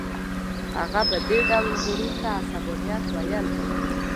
هغه به دې ډول غرور ته عصبانیت ویل.